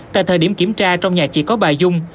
tại thời điểm kiểm tra trong nhà chỉ có bà dung